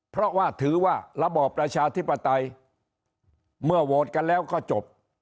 เพราะว่าถือว่าระบอบประชาธิปไตยเมื่อโหวตกันแล้วก็จบ